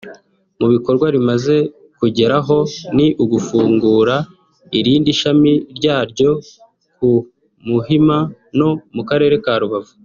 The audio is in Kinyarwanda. Mu bikorwa rimaze kugeraho ni ugufungura irindi shami ryaryo ku Muhima no mu karere ka Rubavu